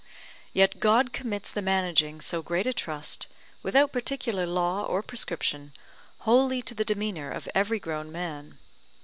Yet God commits the managing so great a trust, without particular law or prescription, wholly to the demeanour of every grown man.